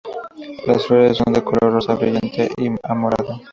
Las flores son de color rosa brillante a morado.